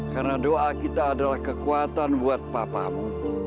karena doa kita adalah kekuatan buat papamu